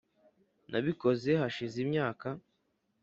nabikoze hashize imyaka.